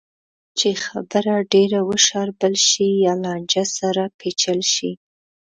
چې خبره ډېره وشاربل شي یا لانجه سره پېچل شي.